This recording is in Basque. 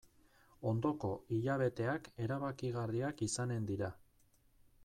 Ondoko hilabeteak erabakigarriak izanen dira.